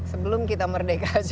sebelum kita merdeka juga